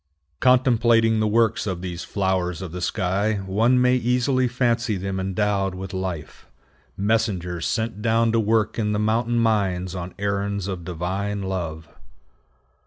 Contemplating the works of these flowers of the sky, one may easily fancy them endowed with life: messengers sent down to work in the mountain mines on errands of divine love.